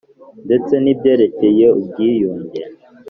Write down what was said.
ndetse n'ibyerekeye ubwiyunge.